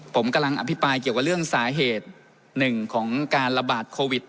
ผมกำลังอภิปรายเกี่ยวกับเรื่องสาเหตุหนึ่งของการระบาดโควิด